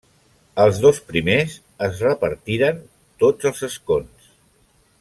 Els dos primers es repartiren tots els escons.